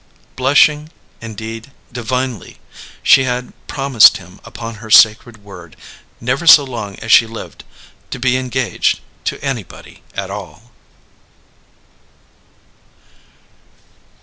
Blushing, indeed divinely, she had promised him upon her sacred word, never so long as she lived, to be engaged to anybody at all.